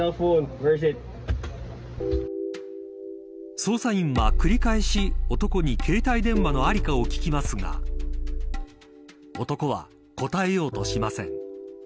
捜査員は繰り返し男に携帯電話の在りかを聞きますが男は答えようとしません。